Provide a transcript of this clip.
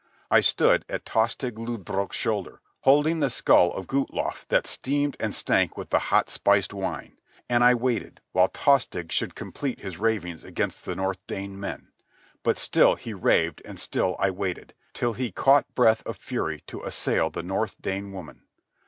I stood at Tostig Lodbrog's shoulder, holding the skull of Guthlaf that steamed and stank with the hot, spiced wine. And I waited while Tostig should complete his ravings against the North Dane men. But still he raved and still I waited, till he caught breath of fury to assail the North Dane woman.